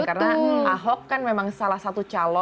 karena ahok kan memang salah satu calon